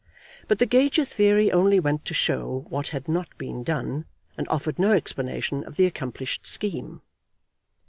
But the Gager theory only went to show what had not been done, and offered no explanation of the accomplished scheme.